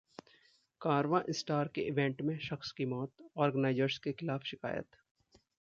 कारवां star के event में शख्स की मौत, ऑर्गनाइजर्स के खिलाफ शिकायत